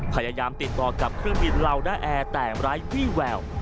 พยายามติดต่อกับเครื่องบินลาวด้าแอร์แต่ไร้วี่แวว